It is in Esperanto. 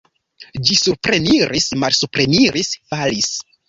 Ĝi supreniris, malsupreniris, falis.